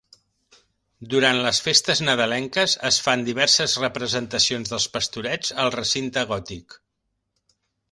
Durant les festes nadalenques es fan diverses representacions dels Pastorets al Recinte Gòtic.